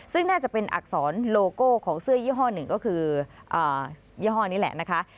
ซึ่งน่าจะเป็นอักษรโลโก้ของเสื้อยี่ห้อหนึ่งก็คือยี่ห้อนี้แหละนะคะ